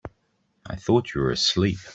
I thought you were asleep.